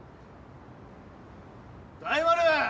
・大丸！